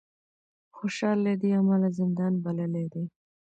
خوشال له دې امله زندان بللی دی